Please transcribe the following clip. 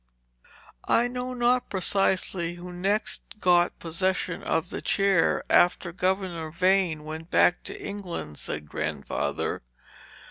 "I know not precisely who next got possession of the chair, after Governor Vane went back to England," said Grandfather.